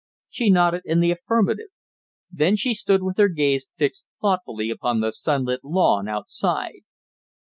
She nodded in the affirmative. Then she stood with her gaze fixed thoughtfully upon the sunlit lawn outside.